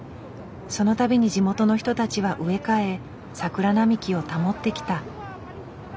その度に地元の人たちは植え替え桜並木を保ってきた。